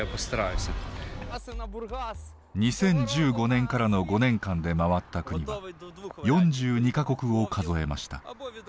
２０１５年からの５年間でまわった国は４２か国を数えました。